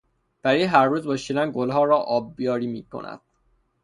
پری هر روز با شیلنگ گلها را آبیاری میکند.